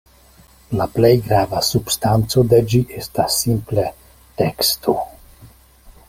La plej grava substanco de ĝi estas simple teksto.